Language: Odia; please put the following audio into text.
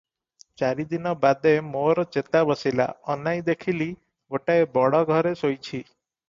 ଚାରିଦିନ ବାଦେ ମୋର ଚେତା ବସିଲା, ଅନାଇ ଦେଖିଲି ଗୋଟାଏ ବଡ଼ ଘରେ ଶୋଇଛି ।